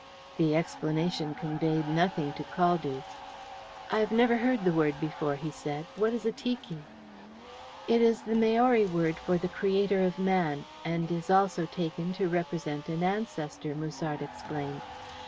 The explanation conveyed nothing to Caldew. "I have never heard the word before," he said. "What is a tiki?" "It is the Maori word for the creator of man, and is also taken to represent an ancestor," Musard explained.